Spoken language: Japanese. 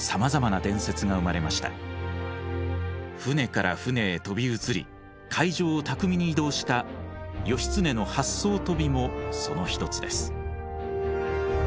舟から舟へ飛び移り海上を巧みに移動した義経の八艘飛びもその一つです。